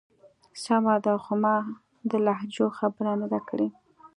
سمه ده. خو ما د لهجو خبره نه ده کړی.